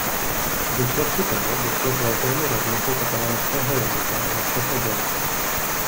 V důsledku toho došlo k velkému rozmachu katalánského jazyka ve všech oblastech.